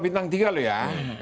bintang tiga loh ya